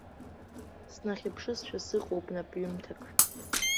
Снахьыԥшызшәа сыҟоуп напҩымҭак.